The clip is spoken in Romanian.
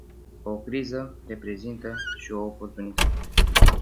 O criză reprezintă și o oportunitate.